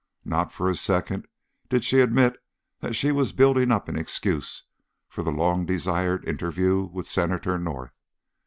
Not for a second did she admit that she was building up an excuse for the long desired interview with Senator North.